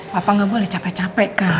papa nggak boleh capek capek kah